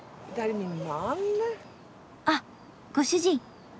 あっご主人。